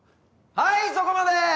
はいそこまで！